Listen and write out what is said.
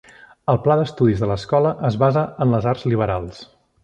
El pla d'estudis de l'escola es basa en les arts liberals.